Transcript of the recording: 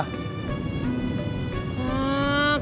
haaa kamu jangan sok jual mahal pur